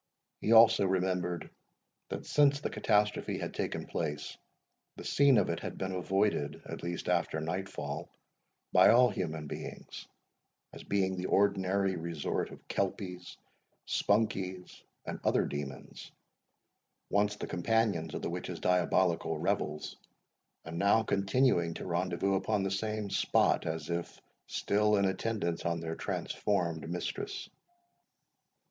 He also remembered, that, since the catastrophe had taken place, the scene of it had been avoided, at least after night fall, by all human beings, as being the ordinary resort of kelpies, spunkies, and other demons, once the companions of the witch's diabolical revels, and now continuing to rendezvous upon the same spot, as if still in attendance on their transformed mistress.